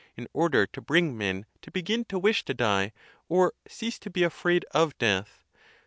in order to bring men to begin to wish to die, or cease to be afraid of death.